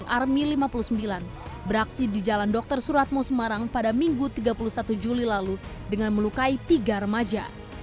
army lima puluh sembilan beraksi di jalan dr suratmo semarang pada minggu tiga puluh satu juli lalu dengan melukai tiga remaja